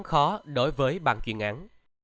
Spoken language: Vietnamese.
khó đối với bàn chuyên án